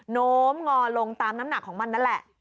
โน้มงอลงตามน้ำหนักของมันนั่นแหละ